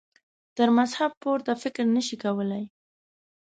تر مذهب پورته فکر نه شي کولای.